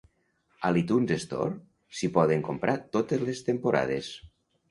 A l'iTunes Store s'hi poden comprar totes les temporades.